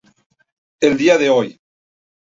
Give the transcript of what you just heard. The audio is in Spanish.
El día de hoy.